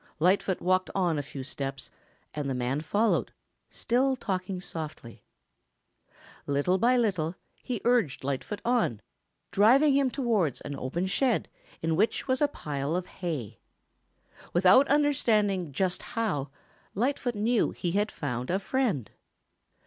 Lightfoot walked on a few steps, and the man followed, still talking softly. Little by little he urged Lightfoot on, driving him towards an open shed in which was a pile of hay. Without understanding just how, Lightfoot knew that he had found a friend.